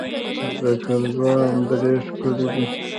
د ګرزوان درې ښکلې دي